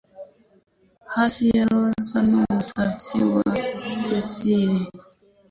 Hasi ya roza n'umusatsi wa cilice